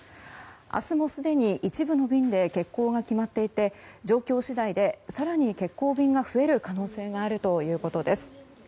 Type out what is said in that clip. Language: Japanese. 明日もすでに一部の便で欠航が決まっていて状況次第で更に欠航便が増える可能性があるということです。